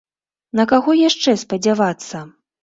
На каго яшчэ спадзявацца?